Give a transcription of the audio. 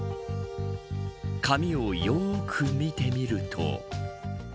紙をよく見てみると。